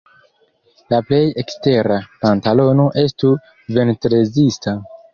La plej ekstera pantalono estu ventrezista.